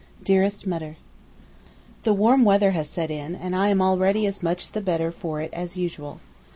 DEAREST MUTTER, The warm weather has set in, and I am already as much the better for it as usual.